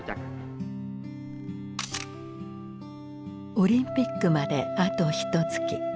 オリンピックまであとひとつき。